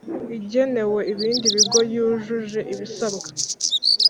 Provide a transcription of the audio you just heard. Igenewe ibindi bigo yujuje ibisabwa